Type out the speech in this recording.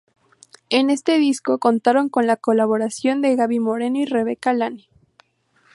En este disco contaron con la colaboración de Gaby Moreno y Rebeca Lane.